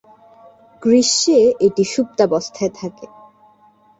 গ্রীষ্মে এটি সুপ্তাবস্থায় থাকে।